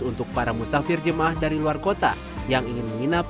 untuk para musafir jemaah dari luar kota yang ingin menginap